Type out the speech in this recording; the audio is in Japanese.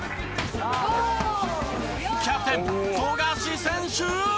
キャプテン富樫選手